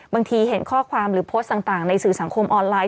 เห็นข้อความหรือโพสต์ต่างในสื่อสังคมออนไลน